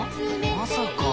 まさか。